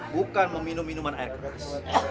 bukan meminum minuman air keras